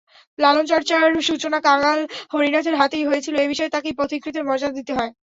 লালনচর্চার সূচনা কাঙাল হরিনাথের হাতেই হয়েছিল—এ বিষয়ে তাঁকেই পথিকৃতের মর্যাদা দিতে হয়।